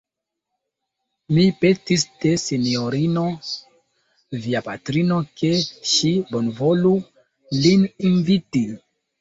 Mi petis de sinjorino via patrino, ke ŝi bonvolu lin inviti.